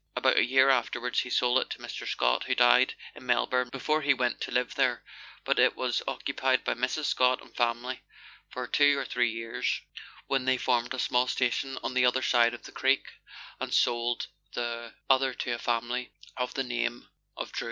About a year afterwards he sold it to Mr. Scott, who died in Melbourne before he went to live there; but it was occupied by Mrs. Scott and family for two or three years, when they formed a small station on the other side of the creek, and sold the other to a family of the name of Drew.